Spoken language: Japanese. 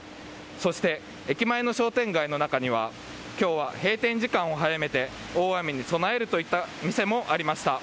そして、駅前の商店街の中には今日は閉店時間を早めて大雨に備えるといった店もありました。